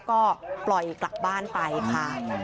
ก็ปล่อยกลับบ้านไปค่ะ